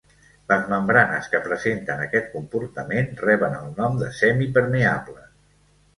Les membranes que presenten aquest comportament reben el nom de semipermeables.